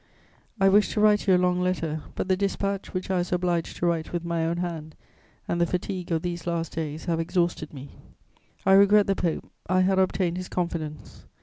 _ "I wished to write you a long letter; but the dispatch, which I was obliged to write with my own hand, and the fatigue of these last days have exhausted me. "I regret the Pope; I had obtained his confidence.